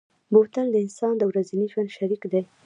بوتل د انسان د ورځني ژوند شریک دی.